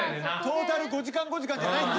トータル５時間５時間じゃない。